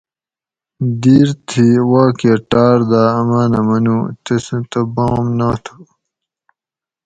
"دِیر تھی واکہ ٹاۤر داۤ امانہ منو ""تسوں تہ بام نا تھو"